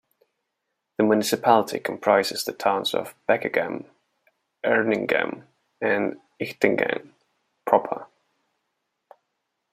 The municipality comprises the towns of Bekegem, Eernegem and Ichtegem proper.